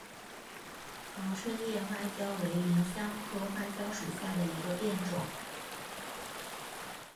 毛椿叶花椒为芸香科花椒属下的一个变种。